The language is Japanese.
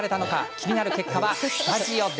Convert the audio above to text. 気になる結果は、スタジオで。